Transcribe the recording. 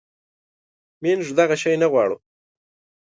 منږ دغه شی نه غواړو